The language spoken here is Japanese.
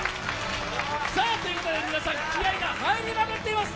皆さん、気合いが入りまくっています。